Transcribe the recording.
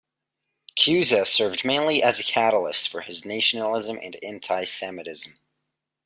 Cuza served mainly as a catalyst for his nationalism and antisemitism.